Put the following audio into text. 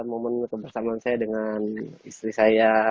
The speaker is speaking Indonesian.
momen kebersamaan saya dengan istri saya